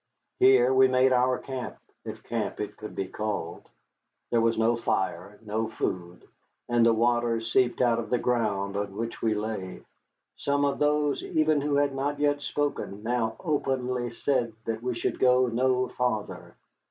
Here we made our camp, if camp it could be called. There was no fire, no food, and the water seeped out of the ground on which we lay. Some of those even who had not yet spoken now openly said that we could go no farther.